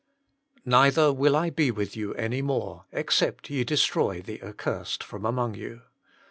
"Neither will I be with you any more, except ye destroy the accursed from among you."